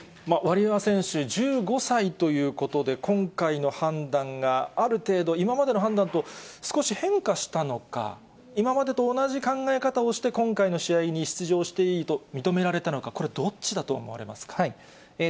ワリエワ選手、１５歳ということで、今回の判断がある程度、今までの判断と少し変化したのか、今までと同じ考え方をして、今回の試合に出場していいと認められたのか、これ、どっちだと思